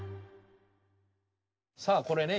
さあこれね